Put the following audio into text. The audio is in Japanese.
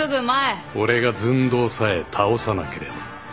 俺がずんどうさえ倒さなければ。